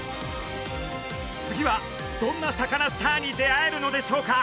次はどんなサカナスターに出会えるのでしょうか？